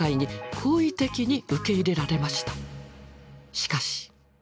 しかし。